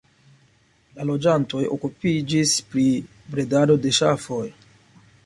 La loĝantoj okupiĝis pri bredado de ŝafoj.